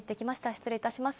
失礼いたします。